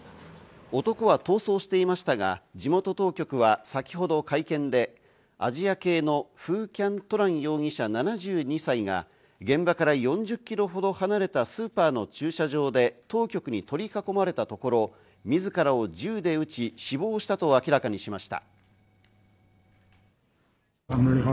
男は逃走していましたが、地元当局は先ほど会見で、アジア系のフー・キャン・トラン容疑者７２歳が、現場から４０キロほど離れたスーパーの駐車場で当局に取り囲まれたところ、自らを銃で撃ち、死亡したと明らかにしました。